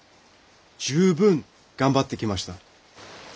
十分頑張ってきました。